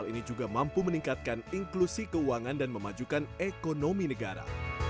ini juga mampu meningkatkan inklusi keuangan dan memajukan ekonomi negara